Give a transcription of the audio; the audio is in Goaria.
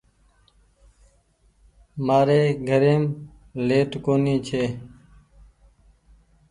مآري گھريم ليٽ ڪونيٚ ڇي